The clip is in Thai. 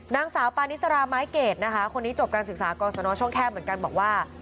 นางสาวปานิสราไม้เกรดนะคะคนนี้จบการศึกษากรสนช่องแคบเหมือนกันบอกว่า